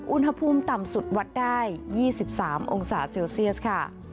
อุณหภูมิต่ำสุดวัดได้๒๓องศาเซลเซียสค่ะ